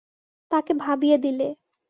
তাকে ভাবিয়ে দিলে।